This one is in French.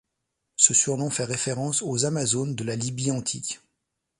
Ce surnom fait référence aux Amazones de la Libye antique.